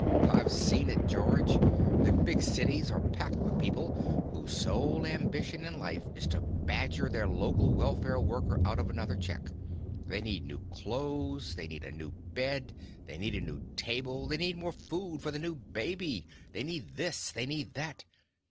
"I've seen it, George. The big cities are packed with people whose sole ambition in life is to badger their local welfare worker out of another check they need new clothes, they need a new bed, they need a new table, they need more food for the new baby, they need this, they need that.